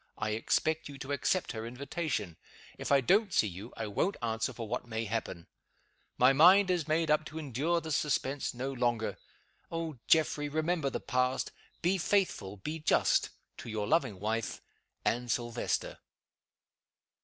I expect you to accept her invitation. If I don't see you, I won't answer for what may happen. My mind is made up to endure this suspense no longer. Oh, Geoffrey, remember the past! Be faithful be just to your loving wife, "ANNE SILVESTER."